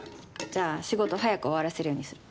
じゃあ仕事早く終わらせるようにする。